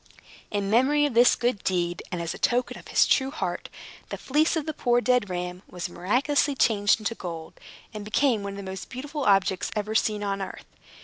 In memory of this good deed, and as a token of his true heart, the fleece of the poor dead ram was miraculously changed to gold, and became one of the most beautiful objects ever seen on earth.